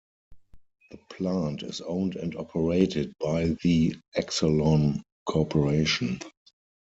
The plant is owned and operated by the Exelon Corporation.